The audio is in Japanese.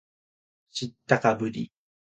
知ったかぶり